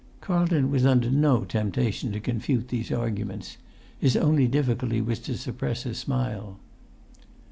Carlton was under no temptation to confute these arguments; his only difficulty was to suppress a smile.